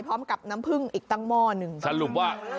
พร้อมกับน้ำผึ้งอีกตั้งหม้อหนึ่งสรุปว่า